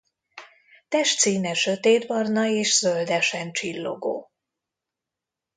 Testszíne sötétbarna és zöldesen csillogó.